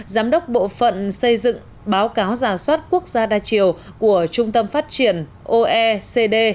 giám đốc bộ phận xây dựng báo cáo giả soát quốc gia đa chiều của trung tâm phát triển oecd